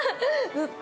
ずっと。